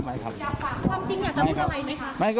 ความจริงอยากจะพูดอะไรไหมคะ